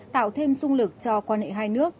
tạo thêm sung lực cho quan hệ hai nước